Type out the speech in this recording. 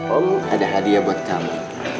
om ada hadiah buat kami